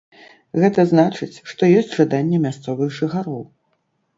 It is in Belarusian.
Гэта значыць, што ёсць жаданне мясцовых жыхароў.